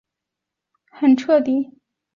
对富纳角箱鲀的繁殖的研究很彻底。